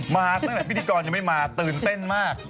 มาตั้งแต่พิธีกรยังไม่มาตื่นเต้นมาก